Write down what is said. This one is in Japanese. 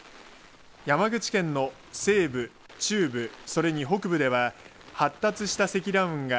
山口県の西部、中部それに北部では発達した積乱雲が